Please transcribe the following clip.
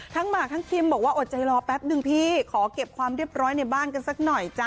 หมากทั้งคิมบอกว่าอดใจรอแป๊บนึงพี่ขอเก็บความเรียบร้อยในบ้านกันสักหน่อยจ้ะ